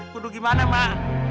kudu gimana mak